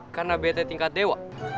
karena bt tingkat dewa